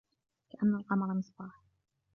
كَأَنَّ الْقَمَرَ مِصْبَاحٌ.